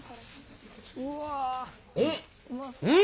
うん！